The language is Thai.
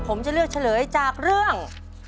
ผมจะเลือกเฉลยจากเรื่อง